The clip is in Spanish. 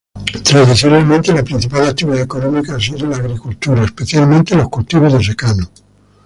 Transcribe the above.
Tradicionalmente, la principal actividad económica ha sido la agricultura, especialmente los cultivos de secano.